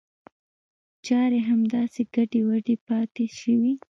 چاري همداسې ګډې وډې پاته شوې.